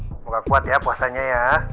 mungkin gak kuat ya puasanya ya